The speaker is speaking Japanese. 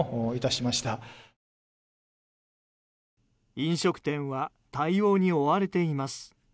飲食店は対応に追われています。